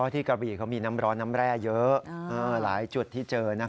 กระบี่เขามีน้ำร้อนน้ำแร่เยอะหลายจุดที่เจอ